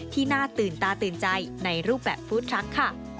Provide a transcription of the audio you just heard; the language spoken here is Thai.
ที่น่าตื่นตาตื่นใจในรูปแบบฟู้ดทรัคค่ะ